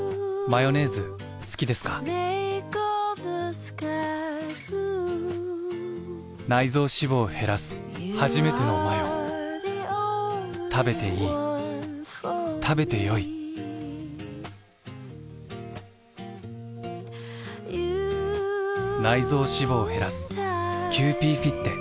ヨネーズ好きですか臓脂肪を減らすはじめてのマヨべていい食べてよいキユーピーフィッテ」